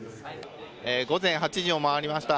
午前８時を回りました。